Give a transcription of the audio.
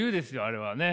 あれはね。